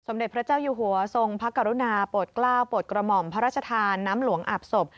เด็จพระเจ้าอยู่หัวทรงพระกรุณาโปรดกล้าวโปรดกระหม่อมพระราชทานน้ำหลวงอาบศพ